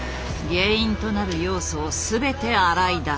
原因となる要素を全て洗い出す。